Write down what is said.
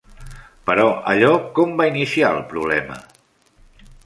Però allò com va iniciar el problema?